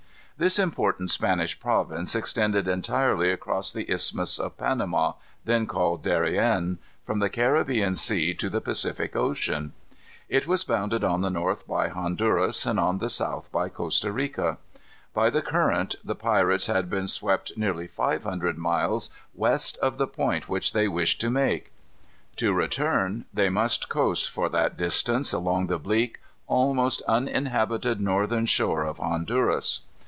This important Spanish province extended entirely across the Isthmus of Panama, then called Darien, from the Caribbean Sea to the Pacific Ocean. It was bounded on the north by Honduras, and on the south by Costa Rica. By the current, the pirates had been swept nearly five hundred miles west of the point which they wished to make. To return, they must coast, for that distance, along the bleak, almost uninhabited northern shore of Honduras.